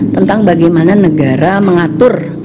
tentang bagaimana negara mengatur